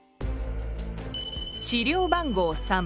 資料番号３。